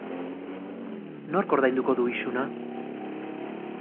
Nork ordainduko du isuna?